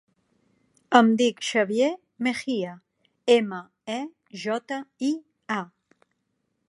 Em dic Xavier Mejia: ema, e, jota, i, a.